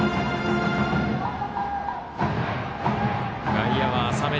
外野は浅め。